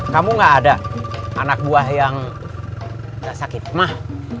kamu nggak ada anak buah yang nggak sakit mah